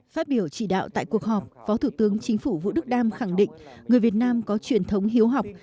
phát biểu trị đạo tại cuộc họp phó thủ tướng chính phủ vũ đức đam khẳng định người việt nam có truyền thống hiếu học